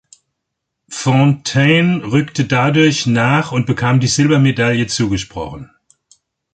Fountain rückte dadurch nach und bekam die Silbermedaille zugesprochen.